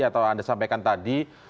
atau anda sampaikan tadi